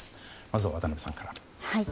まずは、渡辺さんから。